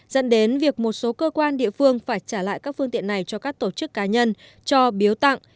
dẫn đến việc một số cơ quan địa phương phải trả lại các phương tiện này cho các tổ chức cá nhân cho biếu tặng